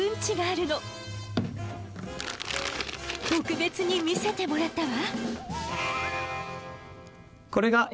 特別に見せてもらったわ。